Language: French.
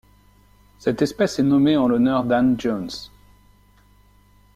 Cette espèce est nommée en l'honneur d'Anne Jones.